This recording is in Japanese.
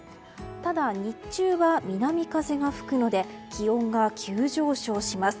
ただ、日中は南風が吹くので気温が急上昇します。